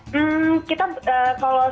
hmm kita kalau saya belum vaksin ini yang dianggap